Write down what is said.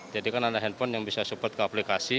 jadi kan ada handphone yang bisa support ke aplikasi